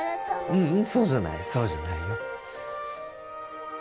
ううんそうじゃないそうじゃないよ